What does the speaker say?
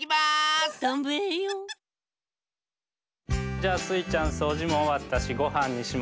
じゃあスイちゃんそうじもおわったしごはんにしましょうか。